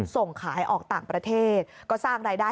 ส่งขายออกต่างประเทศก็สร้างรายได้